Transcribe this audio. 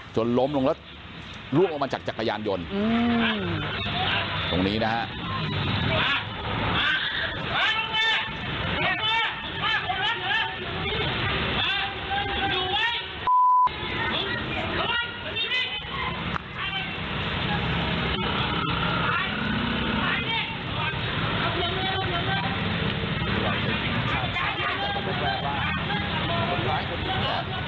ล้มลงแล้วล่วงลงมาจากจักรยานยนต์ตรงนี้นะฮะ